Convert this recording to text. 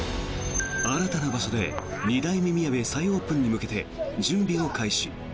新たな場所で二代目みやべ再オープンに向けて準備を開始。